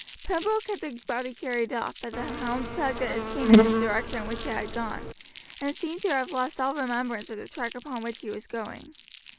Pembroke had the body carried off but the hound tugged at his chain in the direction in which it had gone, and seemed to have lost all remembrance of the track upon which he was going.